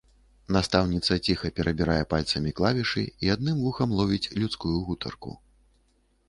Настаўніца ціха перабірае пальцамі клавішы і адным вухам ловіць людскую гутарку.